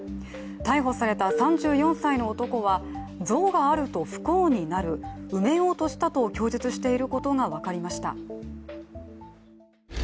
逮捕された３４歳の男は像があると不幸になる、埋めようとしたと供述していることが分かりました。